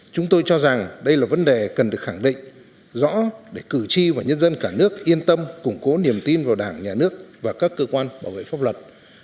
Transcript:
chúng tôi cho rằng đây là vấn đề cần được khẳng định rõ để cử tri và nhân dân cả nước yên tâm củng cố niềm tin vào đảng nhà nước và các cơ quan bảo vệ pháp luật